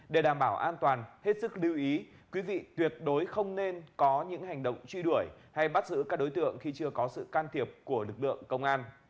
để đảm bảo an toàn hết sức lưu ý quý vị tuyệt đối không nên có những hành động truy đuổi hay bắt giữ các đối tượng khi chưa có sự can thiệp của lực lượng công an